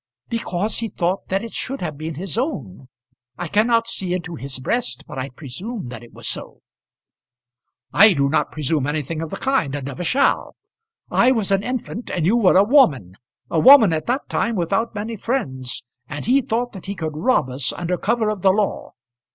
"Because he thought that it should have been his own. I cannot see into his breast, but I presume that it was so." "I do not presume anything of the kind, and never shall. I was an infant and you were a woman, a woman at that time without many friends, and he thought that he could rob us under cover of the law.